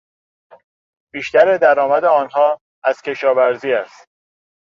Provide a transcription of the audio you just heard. بیشتر درآمد آنها از کشاورزی است.